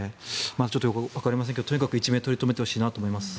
ちょっとよくわかりませんがとにかく一命を取り留めてほしいなと思います。